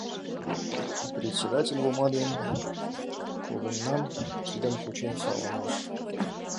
Председатель Вома ден когыньнам кидым кучен саламлыш.